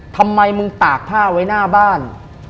ทำไมมึงตากผ้าไว้หน้าบ้าน